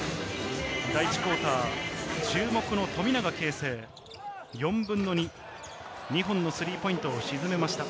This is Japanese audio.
第１クオーター、注目の富永啓生、４分の２、２本のスリーポイントを沈めました。